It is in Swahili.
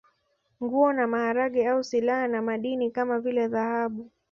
Nguo na maharage au silaha na madini kama vile dhahabu